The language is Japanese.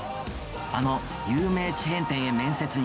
あの有名チェーン店へ面接に。